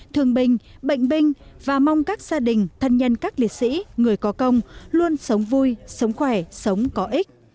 thường bình bệnh bình và mong các gia đình thân nhân các liệt sĩ người có công luôn sống vui sống khỏe sống có ích